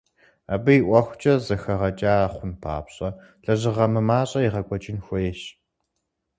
Абы и ӏуэхукӏэ зэхэгъэкӏа хъун папщӏэ лэжьыгъэ мымащӏэ егъэкӏуэкӏын хуейщ.